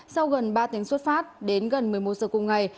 sau gần ba tiếng xuất phát đến gần một mươi một giờ cùng ngày